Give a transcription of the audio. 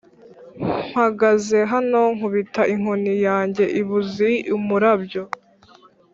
Mpagaze hano nkubita inkoni yanjye i Buzi-Umurabyo.